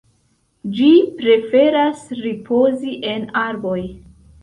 Ĝi preferas ripozi en arboj.